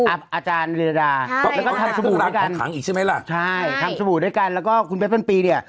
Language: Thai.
อาจารย์ลิลาดาใช่แล้วก็ทำสบู่ด้วยกันแล้วก็คุณเพชรพันปีเนี่ย